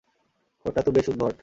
কোডটা তো বেশ উদ্ভট!